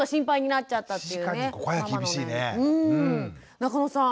中野さん。